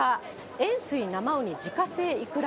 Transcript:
塩水生うに・自家製いくら